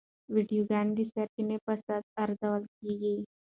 ویډیوګانې د سرچینې په اساس ارزول کېږي.